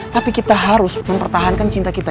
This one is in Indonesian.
tapi kita harus mempertahankan cinta kita